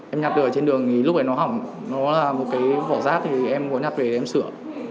em nhặt ở trên đường thì lúc ấy nó hỏng nó là một cái vỏ rác thì em có nhặt về để em sửa